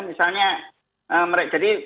misalnya mereka jadi